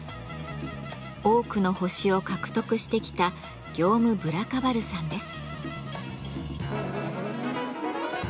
多くの星を獲得してきたギヨーム・ブラカヴァルさんです。